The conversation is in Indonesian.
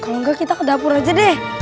kalau nggak kita ke dapur aja deh